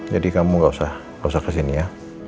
jadi kamu gak usah kesini ya